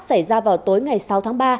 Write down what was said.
xảy ra vào tối ngày sáu tháng ba